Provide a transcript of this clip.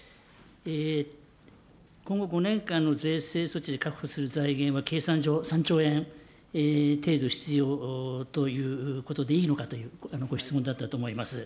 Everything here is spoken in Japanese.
今後５年間の税制措置で確保する財源は計算上、３兆円程度必要ということでいいのかというご質問だったと思います。